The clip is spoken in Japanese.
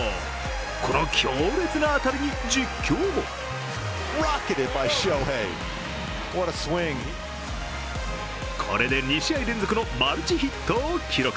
この強烈な当たりに実況もこれで２試合連続のマルチヒットを記録。